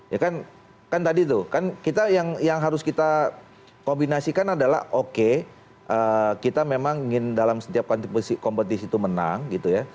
ya kan tadi tuh kan kita yang harus kita kombinasikan adalah oke kita memang ingin dalam setiap kompetisi itu menang gitu ya